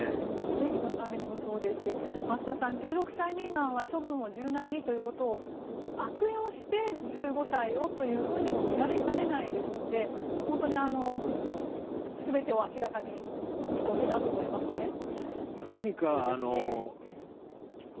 本当に選手のためにもそうですし増田さん、１６歳未満は処分を柔軟にということを悪用して１５歳をというふうにも見られかねないですので全てを明らかにしてほしいなと思いますね。